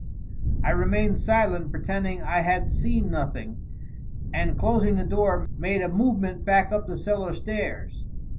I remained silent, pretending I had seen nothing, and, closing the door, made a movement back up the cellar stairs.